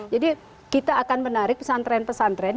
jadi kita akan menarik pesantren pesantren